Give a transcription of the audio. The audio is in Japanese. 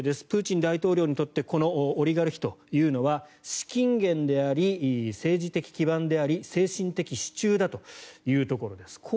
プーチン大統領にとってこのオリガルヒというのは資金源であり政治的基盤であり精神的支柱だというところです。